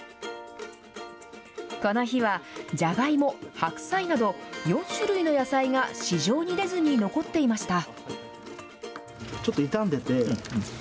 この日はじゃがいも、白菜など、４種類の野菜が市場に出ずに残っていました。